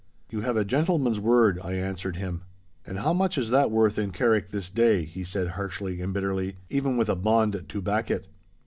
'You have a gentleman's word,' I answered him. 'And how much is that worth in Carrick this day,' he said harshly and bitterly, 'even with a bond to back it?